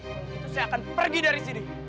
begitu saya akan pergi dari sini